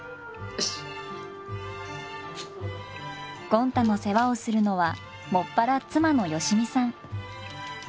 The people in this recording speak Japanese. ゴン太の世話をするのは専ら妻の良美さん。